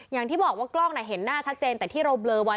อย่างที่บอกว่ากล้องเห็นหน้าชัดเจนแต่ที่เราเบลอไว้